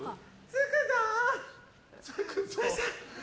着くぞ！